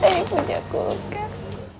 tapi punya kulkas